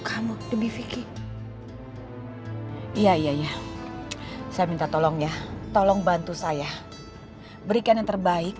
kamu lebih fikih iya iya saya minta tolong ya tolong bantu saya berikan yang terbaik